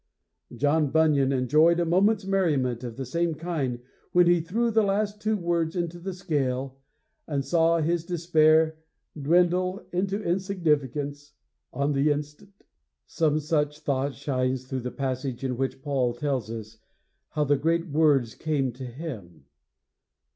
"' John Bunyan enjoyed a moment's merriment of the same kind when he threw the last two words into the scale and saw his despair dwindle into insignificance on the instant. III Some such thought shines through the passage in which Paul tells us how the great words came to him.